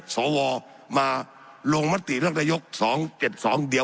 สับขาหลอกกันไปสับขาหลอกกันไป